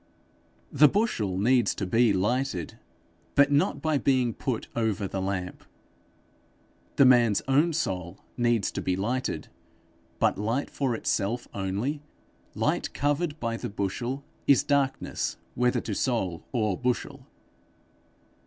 The bushel needs to be lighted, but not by being put over the lamp. The man's own soul needs to be lighted, but light for itself only, light covered by the bushel, is darkness whether to soul or bushel.